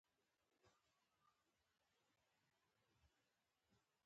مجاهد د خپلو شهیدانو ارمان نه هېروي.